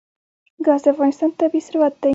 ګاز د افغانستان طبعي ثروت دی.